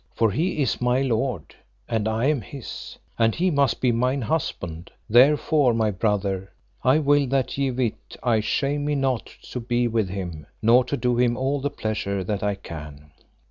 For he is my lord and I am his, and he must be mine husband; therefore, my brother, I will that ye wit I shame me not to be with him, nor to do him all the pleasure that I can.